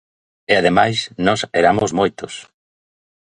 E ademais nós eramos moitos.